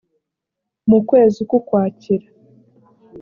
mu kwezi k ukwakira